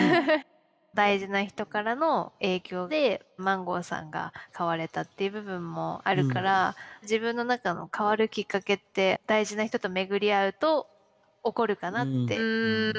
大事な人からの影響でマンゴーさんが変われたっていう部分もあるから自分の中の変わるきっかけって大事な人と巡り合うと起こるかなって。